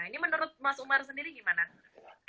ini menurut mas umar sendiri gimana